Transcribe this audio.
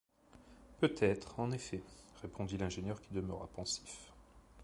Peut-être, en effet, » répondit l’ingénieur, qui demeura pensif.